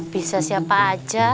bisa siapa aja